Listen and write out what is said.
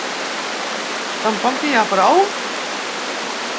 Tampoc n’hi ha prou?